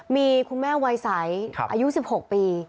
มีคุณแม่วัยใสอายุ๑๖ปี